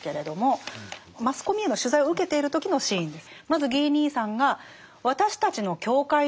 マスコミへの取材を受けている時のシーンです。